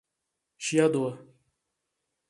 Chiador